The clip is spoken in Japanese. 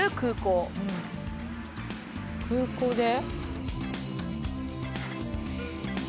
空港で？